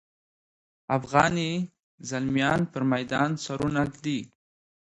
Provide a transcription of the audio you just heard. افغاني زلمیان پر میدان سرونه ږدي.